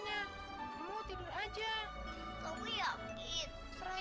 nah jadi apa yang kamu lakukan